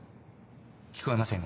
聞こえませんが。